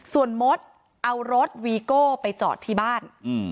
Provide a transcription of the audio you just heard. ส่วนมดเอารถวีโก้ไปจอดที่บ้าน